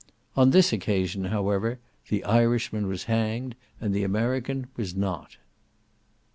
On this occasion, however, the Irishman was hanged, and the American was not.